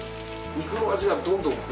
肉の味がどんどん濃く。